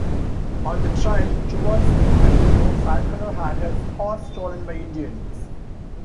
On the trail towards New Mexico, Falconer had his horse stolen by Indians.